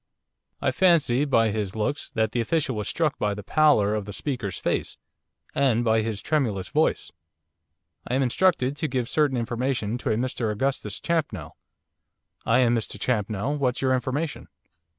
I fancy, by his looks, that the official was struck by the pallor of the speaker's face, and by his tremulous voice. 'I am instructed to give certain information to a Mr Augustus Champnell.' 'I am Mr Champnell. What's your information?